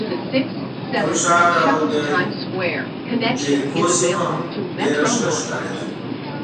نوی ښار او د جریکو سیمه هم ډېره ښه ښکارېده.